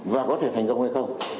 và có thể thành công hay không